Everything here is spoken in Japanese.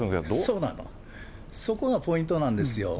そうなの、そこがポイントなんですよ。